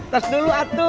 terus dulu atu